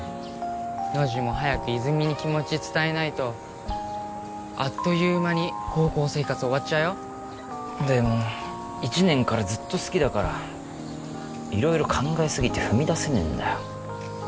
ノジも早く泉に気持ち伝えないとあっという間に高校生活終わっちゃうよでも１年からずっと好きだから色々考えすぎて踏み出せねえんだよ